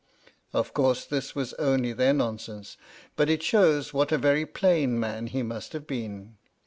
Of course this was only their nonsense, but it shows what a very plain man he must have been.